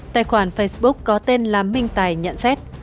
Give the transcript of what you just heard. tài khoản facebook có tên là minh tài nhận xét